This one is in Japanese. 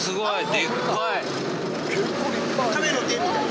でっかい。